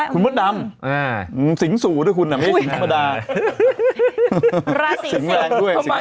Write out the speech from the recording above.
คุณพ่อดำสิงสูที่คุณอ่ะไม่ใช่สิงธรรมดา